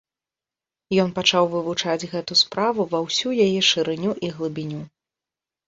Ён пачаў вывучаць гэту справу ва ўсю яе шырыню і глыбіню.